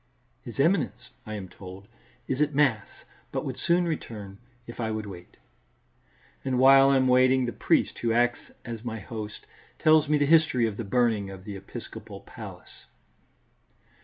"His Eminence," I am told, "is at Mass, but would soon return, if I would wait." And while I am waiting, the priest, who acts as my host, tells me the history of the burning of the episcopal palace.